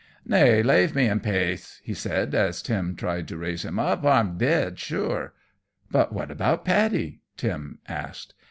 "Nay, lave me in pace," he said, as Tim tried to raise him up, "for I'm dead, sure!" "But what about Paddy?" Tim asked.